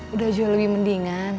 udah jauh lebih mendingan